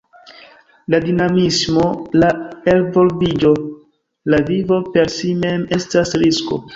La dinamismo, la elvolviĝo, la vivo per si mem estas risko.